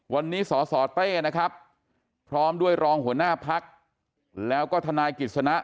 วันนี้สสเต้นะครับพร้อมด้วยรองหัวหน้าพักแล้วก็ทนายกิจสนะ